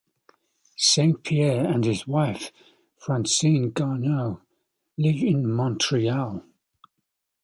Saint-Pierre and his wife, Francine Garneau, live in Montreal.